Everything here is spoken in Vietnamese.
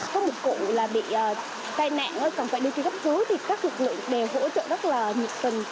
có một cụ bị tai nạn còn phải đi cấp cứu các lực lượng đều hỗ trợ rất nhiệt tình